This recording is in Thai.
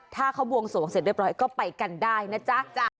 ถ้าเขาบวงสวงเสร็จเรียบร้อยก็ไปกันได้นะจ๊ะ